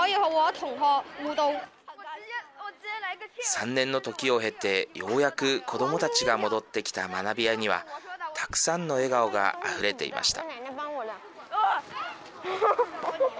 ３年の時を経てようやく子どもたちが戻ってきた学び舎にはたくさんの笑顔があふれていました。